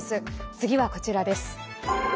次はこちらです。